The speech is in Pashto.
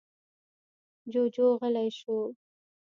جُوجُو غلی شو.